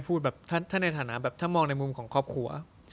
คือถ้าในฐานะถ้ามองในมุมของครอบครัว